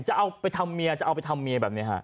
จะเอาไปทำเมียจะเอาไปทำเมียแบบนี้ฮะ